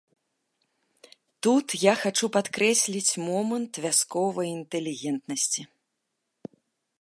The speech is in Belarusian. Тут я хачу падкрэсліць момант вясковай інтэлігентнасці.